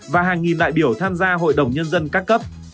và hàng nghìn đại biểu tham gia hội đồng nhân dân các cấp